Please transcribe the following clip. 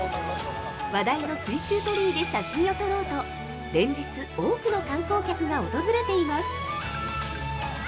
話題の水中鳥居で写真を撮ろうと連日、多くの観光客が訪れています。